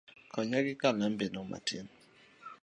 Konya gi kalambi no matin